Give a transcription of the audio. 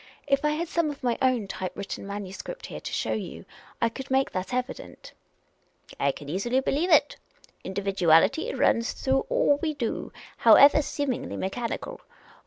If I had some of my own type written manuscript here to show you, I could soon make that evident." " I can easily believe it. Individuality runs through all we do, however seemingly mechanical.